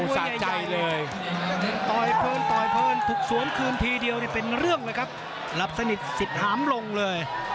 สวนคืนเป็นยังไง